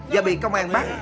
và bị công an bắt